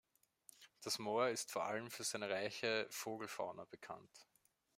Das Moor ist vor allem für seine reiche Vogelfauna bekannt.